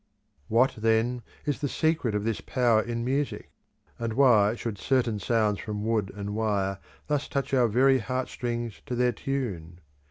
What, then, is the secret of this power in music? And why should certain sounds from wood and wire thus touch our very heart strings to their tune?